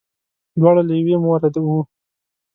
دواړه له یوې موره وه.